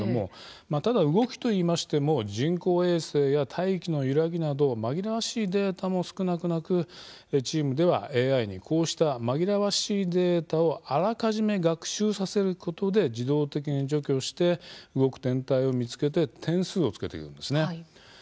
ただ動きといっても人工衛星や大気のゆらぎなど紛らわしいデータも少なくなくチームではＡＩにこうした紛らわしいデータをあらかじめ学習させることで自動的に除去して動く天体を見つけて点数をつけていきます。